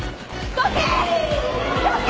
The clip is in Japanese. どけ！